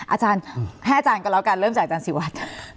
อาจารย์ให้อาจารย์ก็แล้วกันเริ่มจากอาจารย์ศิวัตร